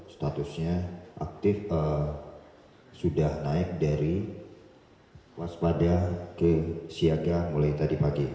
statusnya aktif sudah naik dari waspada ke siaga mulai tadi pagi